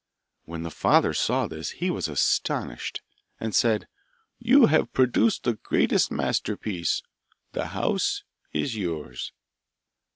When the father saw this he was astonished, and said, 'You have produced the greatest masterpiece: the house is yours.